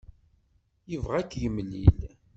Yebɣa ad k-yemlil.